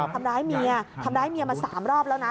ทำร้ายเมียทำร้ายเมียมา๓รอบแล้วนะ